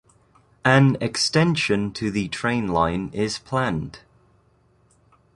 An extension to the train line is planned.